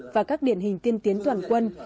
và các điển hình tiên tiến toàn quân